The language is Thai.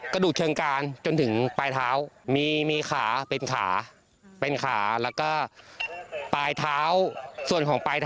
ก็คือจะเป็นโครงกระดูกส่วนท้อนล่าง